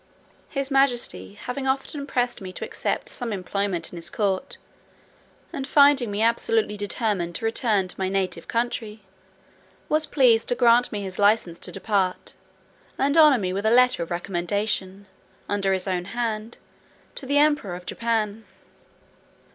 His majesty having often pressed me to accept some employment in his court, and finding me absolutely determined to return to my native country, was pleased to give me his license to depart; and honoured me with a letter of recommendation, under his own hand, to the Emperor of Japan.